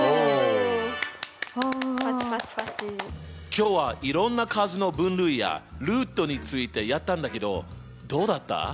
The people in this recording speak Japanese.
今日はいろんな数の分類やルートについてやったんだけどどうだった？